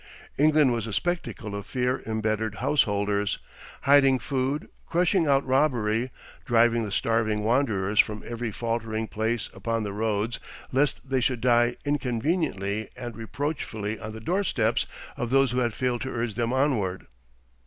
England was a spectacle of fear embittered householders, hiding food, crushing out robbery, driving the starving wanderers from every faltering place upon the roads lest they should die inconveniently and reproachfully on the doorsteps of those who had failed to urge them onward....